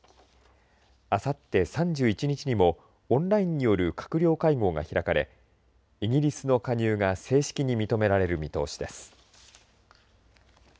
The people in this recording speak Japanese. あさって３１日にもオンラインによる閣僚会合が開かれイギリスの加入が正式に認められる見通しです。